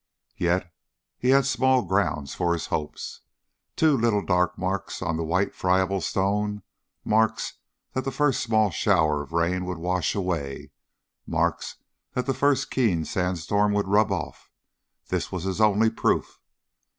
Yet he had small grounds for his hopes. Two little dark marks on the white, friable stone, marks that the first small shower of rain would wash away, marks that the first keen sandstorm would rub off this was his only proof.